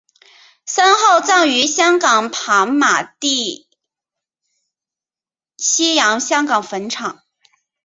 身后葬于香港跑马地西洋香港坟场。